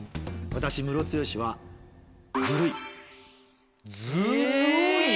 私ムロツヨシは。え！